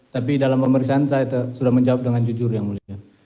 tapi dalam pemeriksaan saya sudah menjawab dengan jujur yang mulia